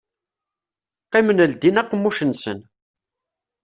Qqimen ldin aqemmuc-nsen.